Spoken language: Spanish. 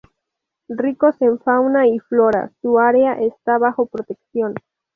Ricos en fauna y flora, su área está bajo protección.